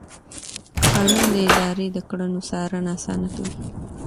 قانون د ادارې د کړنو څارنه اسانه کوي.